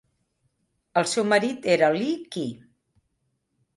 El seu marit era Li Qi.